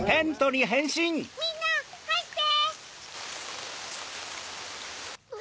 みんなはいって！